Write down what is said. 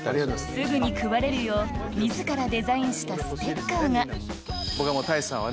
すぐに配れるよう自らデザインしたステッカーが僕は